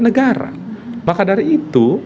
negara maka dari itu